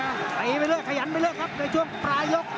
ตีไปเรื่อยขยันไปเลยครับในช่วงปลายยก